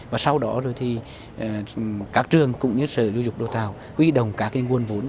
và sau đó thì các trường cũng như sở du dục đô tàu quy đồng các nguồn vốn